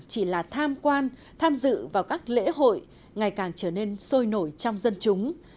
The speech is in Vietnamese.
chỉ là tham quan tham dự vào các lễ hội ngày càng trở nên sôi nổi trong dân chúng